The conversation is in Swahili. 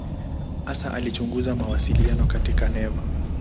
Hasa alichunguza mawasiliano katika neva.